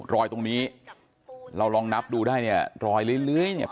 รอยตรงนี้เราลองนับดูได้เนี่ยรอยเลื้อยเนี่ย